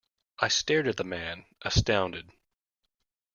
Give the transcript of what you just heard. I stared at the man, astounded.